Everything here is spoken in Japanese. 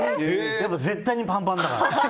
絶対にパンパンだから。